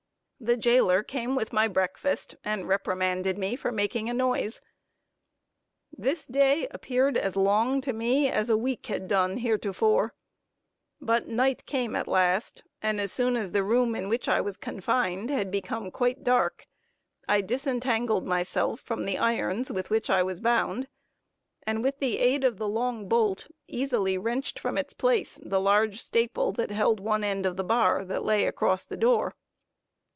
The jailer came with my breakfast, and reprimanded me for making a noise. This day appeared as long to me, as a week had done heretofore; but night came at length, and as soon as the room in which I was confined, had become quite dark, I disentangled myself from the irons with which I was bound, and with the aid of the long bolt, easily wrenched from its place the large staple that held one end of the bar, that lay across the door.